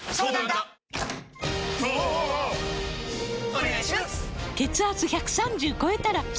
お願いします！！！